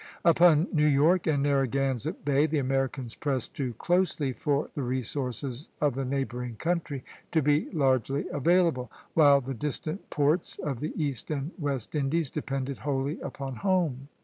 Upon New York and Narragansett Bay the Americans pressed too closely for the resources of the neighboring country to be largely available, while the distant ports of the East and West Indies depended wholly upon home.